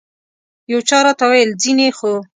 یو چا راته وویل ځینې خو.